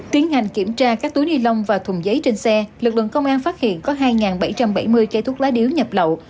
tiến hành kiểm tra các túi ni lông và thùng giấy trên xe lực lượng công an phát hiện có hai bảy trăm bảy mươi cây thuốc lá điếu nhập lậu